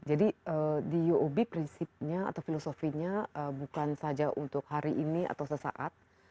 jadi di uob prinsipnya atau filosofinya bukan saja untuk hari ini atau sesaat